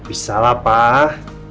bisa lah pak